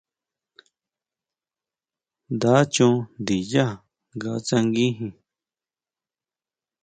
Nda chon ndinyá nga tsanguijin.